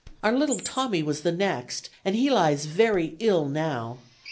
... "Our little Tommy was the next, and he lies very ill now.